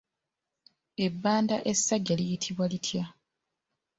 Ebbanda essajja liyitibwa litya?